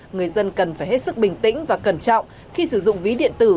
người dân cần phải hết sức bình tĩnh và cẩn trọng khi sử dụng ví điện tử